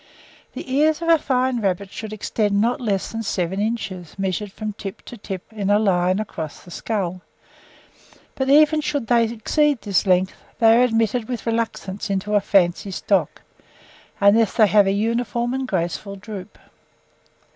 The ears of a fine rabbit should extend not less than seven inches, measured from tip to tip in a line across the skull; but even should they exceed this length, they are admitted with reluctance into a fancy stock, unless they have a uniform and graceful droop.